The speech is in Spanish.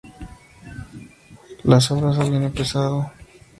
Las obras ya habían empezado.